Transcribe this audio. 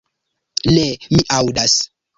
Ne, mi aŭdas.